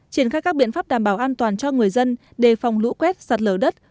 triển khai các biện pháp đảm bảo an toàn cho người dân đề phòng lũ quét sạt lở đất